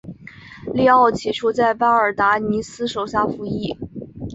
利奥起初在巴尔达尼斯手下服役。